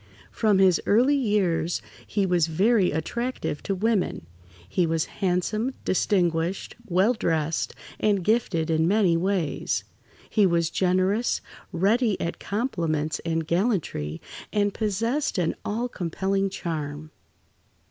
From his early years he was very attractive to women. He was handsome, distinguished, well dressed, and gifted in many ways. He was generous, ready at compliments and gallantry, and possessed an all compelling charm.